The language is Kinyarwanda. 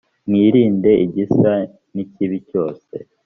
mwirinde igisa n ikibi cyose